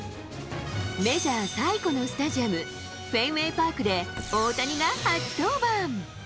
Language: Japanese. メジャー最古のスタジアム、フェンウェイパークで大谷が初登板。